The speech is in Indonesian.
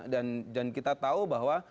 dan kita tahu bahwa